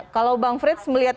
kalau bang frits melihat